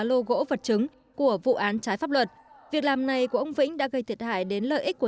lô gỗ vật chứng của vụ án trái pháp luật việc làm này của ông vĩnh đã gây thiệt hại đến lợi ích của